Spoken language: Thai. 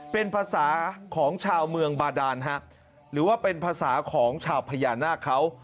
เป็นภาษาของชาวเมืองบาดานฮะหรือว่าเป็นภาษาของชาวพญานาคเขา